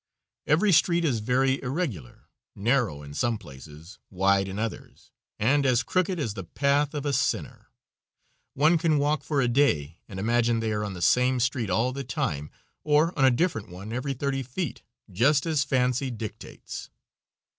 Every street is very irregular, narrow in some places, wide in others, and as crooked as the path of a sinner. One can walk for a day and imagine they are on the same street all the time, or on a different one every thirty feet, just as fancy dictates.